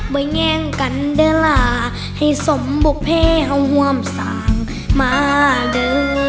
ไม่แง่งกันเด้อล่ะให้สมบุคเพศห่วมสั่งมาเด้อ